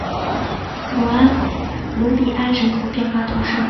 卢比安人口变化图示